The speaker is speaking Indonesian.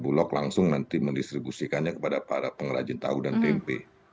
bulog langsung nanti mendistribusikannya kepada para pengrajin tahu dan tempe